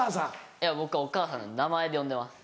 いや僕はお母さん名前で呼んでます。